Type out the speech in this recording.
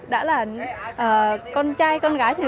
đã là con trai con gái